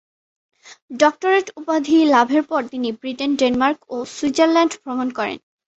Doctorate উপাধি লাভের পরে তিনি ব্রিটেন, ডেনমার্ক ও সুইজারল্যান্ড ভ্রমণ করেন।